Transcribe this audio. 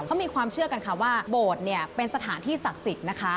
เขามีความเชื่อกันค่ะว่าโบสถ์เนี่ยเป็นสถานที่ศักดิ์สิทธิ์นะคะ